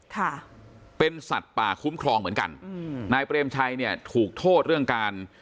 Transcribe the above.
ค่ะเป็นสัตว์ป่าคุ้มครองเหมือนกันอืมนายเปรมชัยเนี่ยถูกโทษเรื่องการ